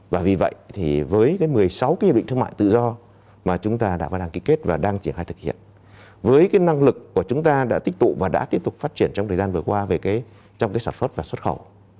và vì vậy thì với cái một mươi sáu cái nhiệm định thương mại tự do mà chúng ta đã đang ký kết và đang triển hại thực hiện với cái năng lực của chúng ta đã tích tụ và đã tiếp tục phát triển trong thời gian vừa qua về cái trong cái sản xuất và xuất khẩu